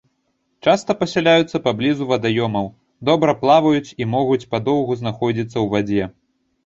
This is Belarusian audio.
Часта пасяляюцца паблізу вадаёмаў, добра плаваюць і могуць падоўгу знаходзіцца ў вадзе.